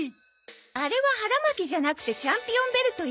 あれは腹巻きじゃなくてチャンピオンベルトよ。